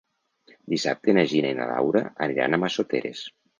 Dissabte na Gina i na Laura aniran a Massoteres.